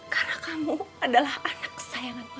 karena kamu adalah anak kesayangan mama